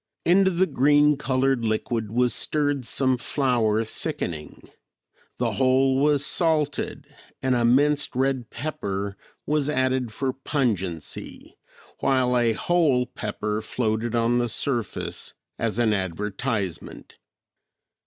Into the green colored liquid was stirred some flour thickening; the whole was salted and a minced red pepper was added for pungency, while a whole pepper floated on the surface as an advertisement.